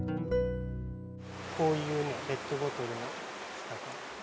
こういうねペットボトルの仕掛け。